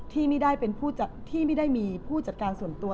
ที่ไม่ได้มีผู้จัดการส่วนตัว